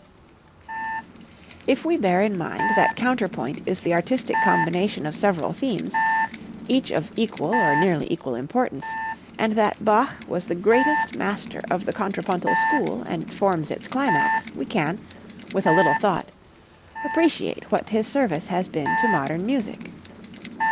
If we bear in mind that counterpoint is the artistic combination of several themes, each of equal or nearly equal importance, and that Bach was the greatest master of the contrapuntal school and forms its climax, we can, with a little thought, appreciate what his service has been to modern music.